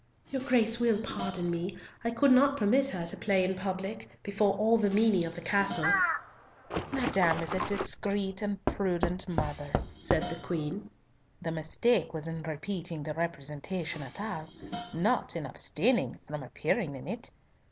"Your Grace will pardon me, I could not permit her to play in public, before all the menie of the castle." "Madame is a discreet and prudent mother," said the Queen. "The mistake was in repeating the representation at all, not in abstaining from appearing in it.